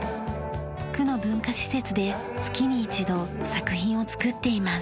区の文化施設で月に一度作品を作っています。